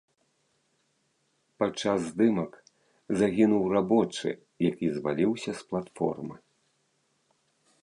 Падчас здымак загінуў рабочы, які зваліўся з платформы.